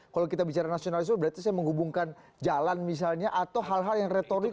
kalau kita bicara nasionalisme berarti saya menghubungkan jalan misalnya atau hal hal yang retorik